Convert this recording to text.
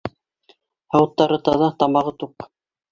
Һауыттары таҙа, тамағы туҡ...